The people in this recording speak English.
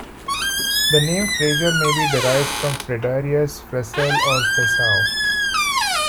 The name Fraser may be derived from Fredarius, Fresel or Freseau.